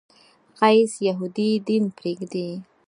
قیس یهودي دین پرېږدي.